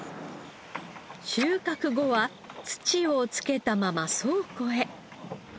収穫後は土をつけたまま倉庫へ。